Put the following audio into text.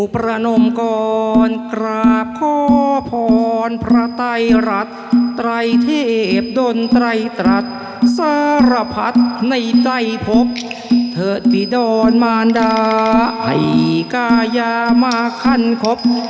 เพลงขอแสดงด้วยนะครับ